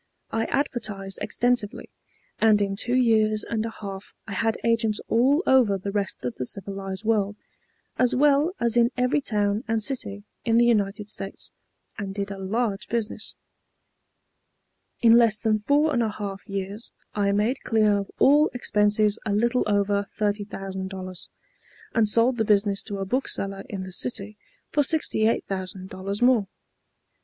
I advertised extensively, and in two years and a half I had agents all over the rest of the civilized world, as well as in every town and city in the United States, and did a large business. "In less than four and a half years I made clear of all expenses a little over $30,000, and sold the business to a bookseller in the city for $68,000 more."